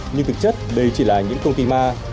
nhưng thực chất đây chỉ là những công ty ma